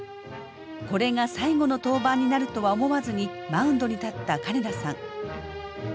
これが最後の登板になるとは思わずにマウンドに立った金田さん。